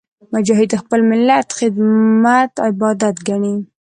مجاهد د خپل ملت خدمت عبادت ګڼي.